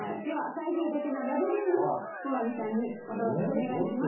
最終的なラベリングをモガミさんに若林さんお願いします。